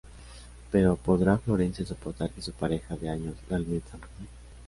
Pero, ¿Podrá Florencia soportar que su pareja de años la olvide tan rápido?